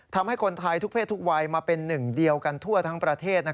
ทำให้คนไทยทุกเพศทุกวัยมาเป็นหนึ่งเดียวกันทั่วทั้งประเทศ